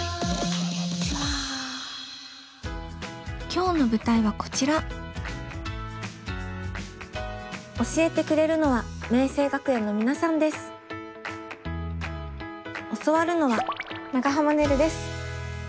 今日の舞台はこちら教えてくれるのは教わるのは長濱ねるです。